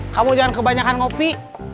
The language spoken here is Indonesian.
kamu jangan kebanyakan ngopi